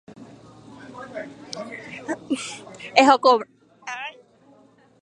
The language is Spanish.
Alma es la sede del distrito judicial de Alma.